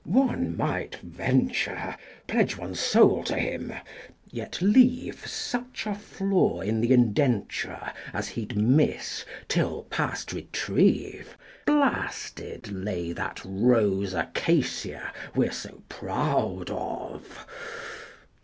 one might venture Pledge one's soul to him, yet leave Such a flaw in the indenture As he'd miss till, past retrieve, Blasted lay that rose acacia We're so proud of!